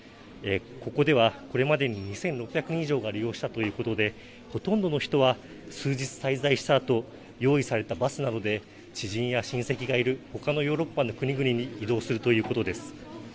ここでは、これまでに２６００人以上が利用したということで、ほとんどの人は数日滞在したあと、用意されたバスなどで、知人や親戚がいるほかのヨーロッパの国々に移動するということです。